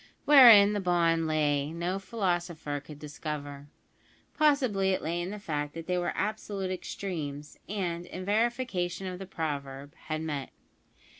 Wherein the bond lay no philosopher could discover. Possibly it lay in the fact that they were absolute extremes, and, in verification of the proverb, had met.